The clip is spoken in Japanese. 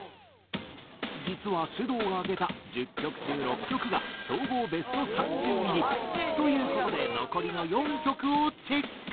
実はｓｙｕｄｏｕが挙げた１０曲中６曲が総合ベスト３０入り。という事で残りの４曲をチェック。